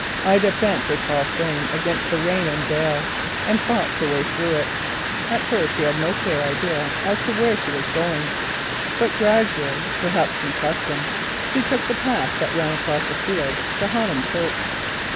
Ida bent her tall form against the rain and gale, and fought her way through them. At first she had no clear idea as to where she was going, but presently, perhaps from custom, she took the path that ran across the fields to Honham Church.